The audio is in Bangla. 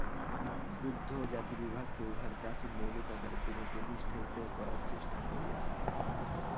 বুদ্ধ জাতিবিভাগকে উহার প্রাচীন মৌলিক আকারে পুনঃপ্রতিষ্ঠিত করিবার চেষ্টা করিয়াছিলেন।